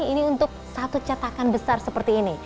ini untuk satu cetakan besar seperti ini